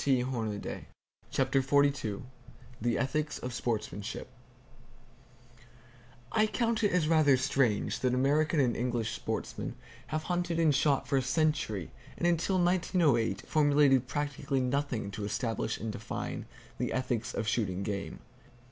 [Page 382] CHAPTER XLII THE ETHICS OF SPORTSMANSHIP I count it as rather strange that American and English sportsmen have hunted and shot for a century, and until 1908 formulated practically nothing to establish and define the ethics of shooting game.